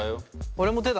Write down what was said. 俺も手だな。